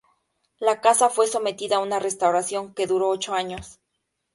La casa fue sometida a una restauración que duró ocho años.